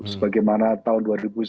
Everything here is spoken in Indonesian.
sebagaimana tahun dua ribu sembilan belas